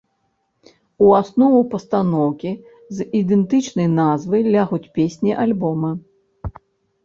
У аснову пастаноўкі з ідэнтычнай назвай лягуць песні альбома.